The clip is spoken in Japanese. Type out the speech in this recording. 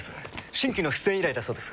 新規の出演依頼だそうです。